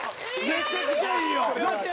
めちゃくちゃいいよ！